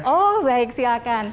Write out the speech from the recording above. oh baik silahkan